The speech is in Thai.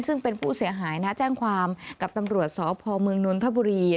ซึ่งเป็นผู้เสียหายนะแจ้งความกับตำรวจสพเมืองนนทบุรี